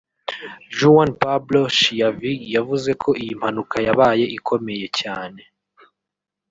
Juan Pablo Schiavi yavuze ko iyi mpanuka yabaye ikomeye cyane